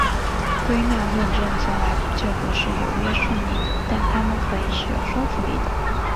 归纳论证从来就不是有约束力的但它们可以是有说服力的。